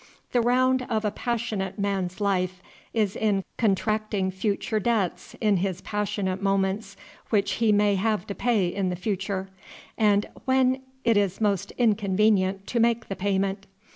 The round of a passionate man's life is in contracting future debts in his passionate moments which he may have to pay in the future, and when it is most inconvenient to make payment.